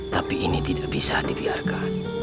tapi ini tidak bisa dibiarkan